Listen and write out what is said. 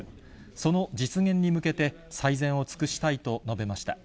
その実現に向けて、最善を尽くしたいと述べました。